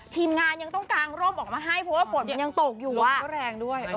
ทีมงานยังต้องกางร่มออกมาให้เพราะว่าฝนมันยังตกอยู่ก็แรงด้วย